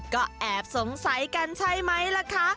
ก็แอบสงสัยกันใช่ไหมล่ะคะ